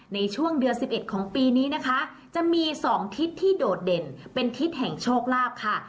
ในช่วงเดือน๑๑ปีจะมีสองทฤษที่โดดเด่นเป็นทฤษแห่งโชคลาภค่ะ